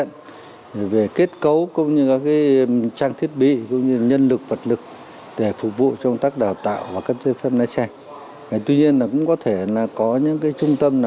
ngoài ra qua camera giao thông